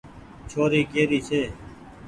ڇوري ڪي ري ڇي۔